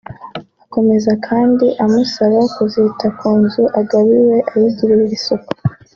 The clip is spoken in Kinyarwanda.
Akomeza kandi amusaba kuzita ku nzu agabiwe ayigirira isuku